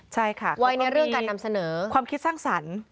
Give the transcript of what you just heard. ใช่ค่ะเขาก็มีความคิดสร้างสรรค์